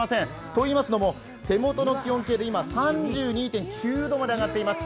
といいますのも手元の気温計で今３２．９度まで上がっています